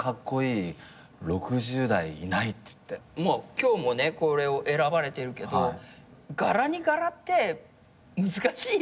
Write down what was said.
今日もこれを選ばれてるけど柄に柄って難しいよ。